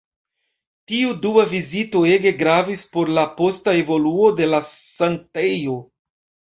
Tiu dua vizito ege gravis por la posta evoluo de la sanktejo.